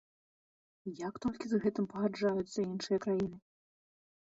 Як толькі з гэтым пагаджаюцца іншыя краіны?!